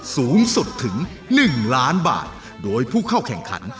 สูงสุดถึง๑ล้านบาทโดยผู้เข้าแข่งขัน